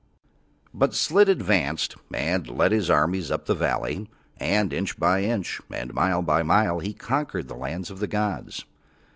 But Slid advanced and led his armies up the valley, and inch by inch and mile by mile he conquered the lands of the gods.